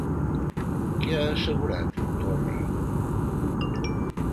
Què ha assegurat, Torra?